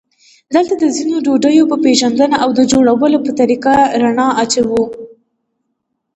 دلته د ځینو ډوډیو په پېژندنه او د جوړولو په طریقه رڼا اچوو.